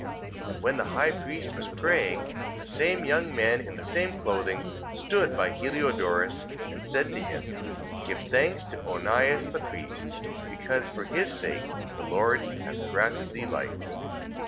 And when the high priest was praying, the same young men in the same clothing stood by Heliodorus, and said to him: Give thanks to Onias the priest: because for his sake the Lord hath granted thee life.